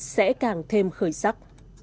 sẽ càng thêm khởi sắc